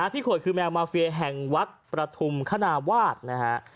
ขวดคือแมวมาเฟียแห่งวัดประธุมคณาวาสนะฮะ